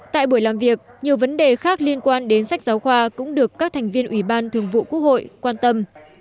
tại buổi làm việc nhiều vấn đề khác liên quan đến sách giáo khoa cũng được các thành viên ủy ban thường vụ quốc hội quan tâm